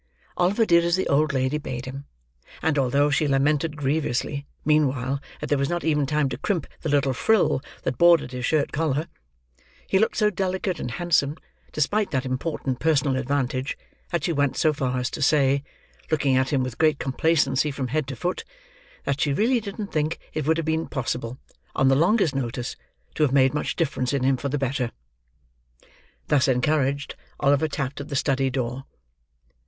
Oliver did as the old lady bade him; and, although she lamented grievously, meanwhile, that there was not even time to crimp the little frill that bordered his shirt collar; he looked so delicate and handsome, despite that important personal advantage, that she went so far as to say: looking at him with great complacency from head to foot, that she really didn't think it would have been possible, on the longest notice, to have made much difference in him for the better. Thus encouraged, Oliver tapped at the study door.